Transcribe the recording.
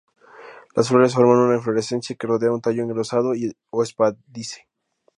Las flores forman una inflorescencia que rodea a un tallo engrosado o espádice.